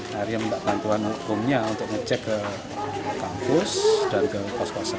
hari yang minta bantuan hukumnya untuk ngecek ke kampus dan ke kos kosan